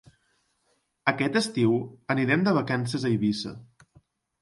Aquest estiu anirem de vacances a Eivissa.